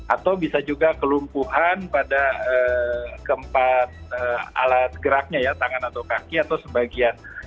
atau bisa juga kelumpuhan pada keempat alat geraknya ya tangan atau kaki atau sebagian